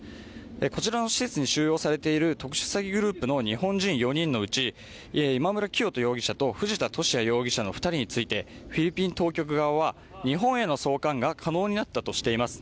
こちらの施設に収容されている特殊詐欺グループの日本人４人のうち今村磨人容疑者と藤田聖也容疑者の２人についてフィリピン当局側は、日本への送還が可能になったとしています。